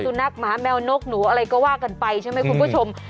สุนัขหมาแมวนกหนูอะไรก็ว่ากันไปใช่ไหมคุณผู้ชม